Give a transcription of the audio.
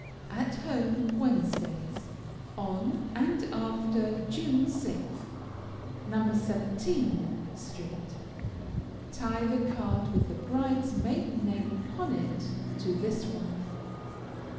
At home, Wednesdays, On, and after, June 6th. No. 17, st. Tie the card with the bride's maiden name upon it to this one.